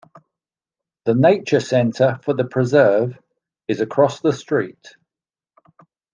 The nature center for the Preserve is across the street.